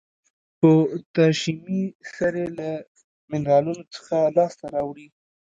پوتاشیمي سرې له منرالونو څخه لاس ته راوړي.